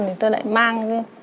thế tôi lại mang